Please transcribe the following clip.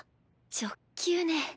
直球ね。